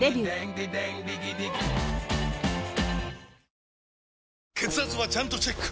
私たちって血圧はちゃんとチェック！